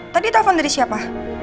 tadi telepon dari siapa